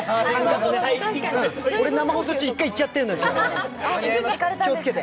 俺、生放送中、１回行っちゃってるのよ、気をつけて。